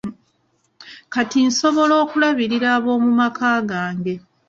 Kati nsobola okulabirira ab'omumaka gange.